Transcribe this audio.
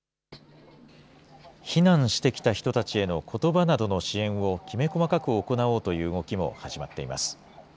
避難してきた人たちへのことばなどの支援をきめ細かく行おうという動きも始まっています。